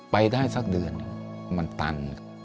ไปได้สักเดือนหนึ่งมันตัน